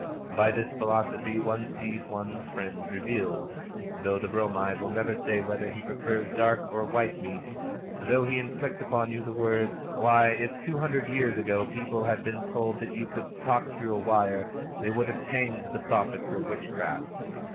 By this philosophy one sees one's friends revealed. Though the Bromide will never say whether he prefers dark or white meat; though he inflict upon you the words, "Why, if two hundred years ago people had been told that you could talk through a wire they would have hanged the prophet for witchcraft!"